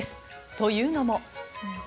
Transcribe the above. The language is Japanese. というのも。